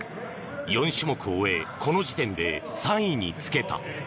４種目を終えこの時点で３位につけた。